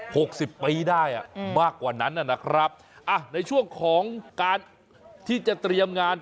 หกสิบปีได้อ่ะอืมมากกว่านั้นนะครับอ่ะในช่วงของการที่จะเตรียมงาน